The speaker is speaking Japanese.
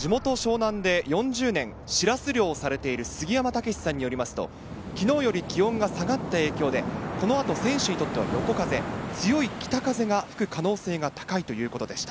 地元・湘南で４０年、シラス漁をされている、すぎやまたけしさんによりますと、昨日より気温が下がった影響で、このあと選手にとっては横風、強い北風が吹く可能性が高いということでした。